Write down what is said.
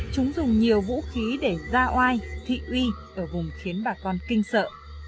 chúng dùng nhiều vũ khí để ra oai thị uy ở vùng khiến bà con kinh sợ